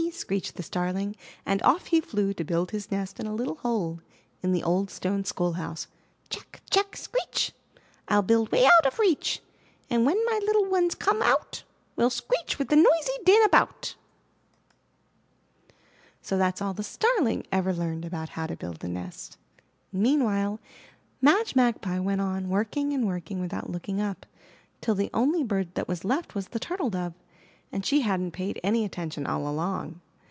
screeched the Starling and off he flew to build his nest in a little hole in the old stone schoolhouse: "Tchack! Tchack! Screech! rU build way out of reach! And when my little ones come out, We'll screech with noisy din about!" 175 MY BOOK HOUSE So that's all the Starling ever learned about how to build a nest. Meanwhile, Madge Magpie went on working and working without looking up, till the only bird that was left was the Turtle Dove, and she hadn't paid any attention all along.